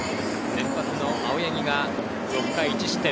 先発の青柳が６回１失点。